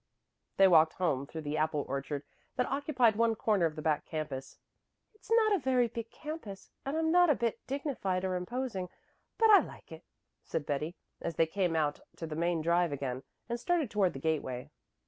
They walked home through the apple orchard that occupied one corner of the back campus. "It's not a very big campus, and not a bit dignified or imposing, but I like it," said Betty, as they came out on to the main drive again, and started toward the gateway.